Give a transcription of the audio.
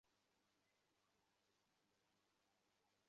হলফ করে বলা যায়, জার্মানির সবচেয়ে ঘোর সমর্থকও এমন ম্যাচের কথা ভাবতে পারেননি।